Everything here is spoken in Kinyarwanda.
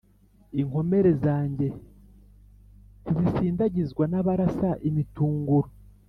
inkomere zanjye ntizisindagizwa n'abarasa imitunguro.